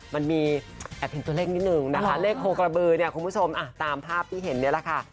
มันมีแอบเห็นตัวเลขนิดนึงนะคะเลขโคกระบือเนี่ยคุณผู้ชมตามภาพที่เห็นเนี่ยแหละค่ะ